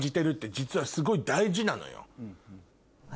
実はすごい大事なのよ。